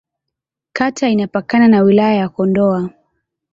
Kata imepakana na Wilaya ya Kondoa.